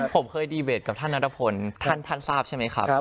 ผมเคยบริการกับท่านนัตเหล่าร้อนนัตตาภุลท่านท่านทราบใช่ไหมครับ